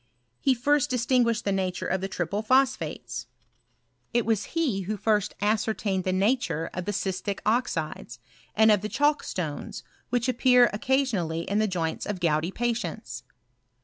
He first distinguished the nature of the triple phosphates. It was he who first ascertained PROGRESS OF ANALYTICAL CHEMISTRY. 249 the nature of the cystic oxides, and of the chalk stones, which appear occasionally in the joints of gouty patients.